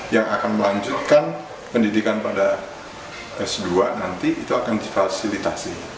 yang akan melanjutkan pendidikan pada s dua nanti itu akan difasilitasi